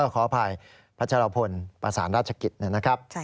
ขออภัยพัชรพลประสานราชกิจนะครับ